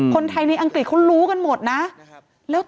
คนไทยในอังกฤษเขารู้กันหมดนะ